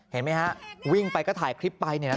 เห็นไหมฮะวิ่งไปก็ถ่ายคลิปไปเนี่ยนะ